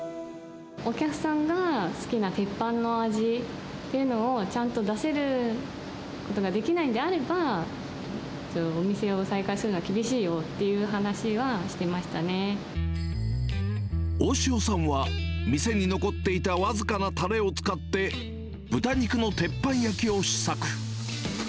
お客さんが好きな鉄板の味っていうのを、ちゃんと出せることができないんであれば、お店を再開するのは厳大塩さんは、店に残っていた僅かなたれを使って、豚肉の鉄板焼きを試作。